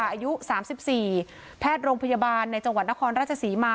อายุ๓๔แพทย์โรงพยาบาลในจังหวัดนครราชศรีมา